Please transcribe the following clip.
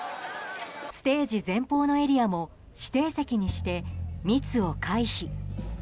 ステージ前方のエリアも指定席にして密を回避。